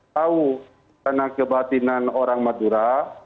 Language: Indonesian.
tahu karena kebatinan orang madura